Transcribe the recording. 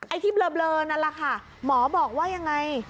ไอ้ที่เบลอนั่นแหละค่ะหมอบอกว่ายังไง